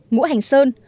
ngũ hành sơn